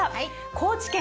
高知県